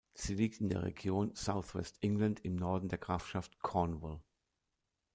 Sie liegt in der Region South West England im Norden der Grafschaft Cornwall.